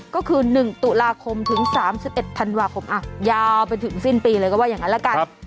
ก็คือ๑ตุลาคมถึง๓๑ธันวาคมยาวไปถึงสิ้นปีเลยก็ว่าอย่างนั้นละกัน